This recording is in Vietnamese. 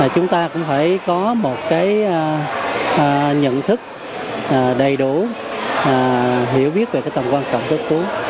chúng ta cũng phải có một cái nhận thức đầy đủ hiểu biết về tầm quan trọng sơ cứu